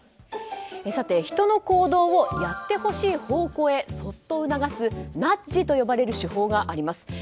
人の行動をやってほしい方向へそっと促すナッジと呼ばれる手法があります。